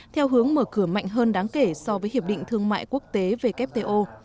theo hướng mở cửa mạnh hơn đáng kể so với hiệp định thương mại quốc tế wto